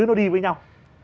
nó đi với nhau